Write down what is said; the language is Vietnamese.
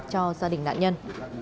cho gia đình nạn nhân